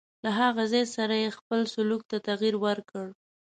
له هغه سره یې خپل سلوک ته تغیر ورکړ.